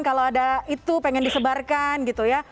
kalau ada itu pengen disebarkan gitu ya